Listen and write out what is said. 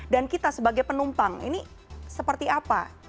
dan kita sebagai penumpang ini seperti apa